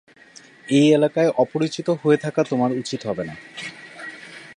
এই এলাকায় অপরিচিত হয়ে থাকা তোমার উচিৎ হবে না।